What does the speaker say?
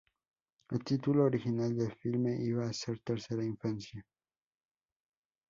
El título original del filme iba a ser Tercera Infancia.